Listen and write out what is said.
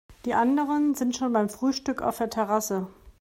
Die anderen sind schon beim Frühstück auf der Terrasse.